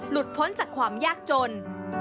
พ้นจากความยากจน